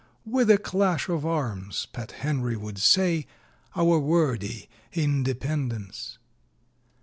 _ (With a clash of arms, Pat. Henry would say,) Our wordy Independence!